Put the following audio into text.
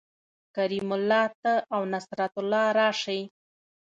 کریم الله ته او نصرت الله راشئ